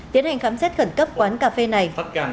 tiến hành khám xét khẩn cấp quán cà phê này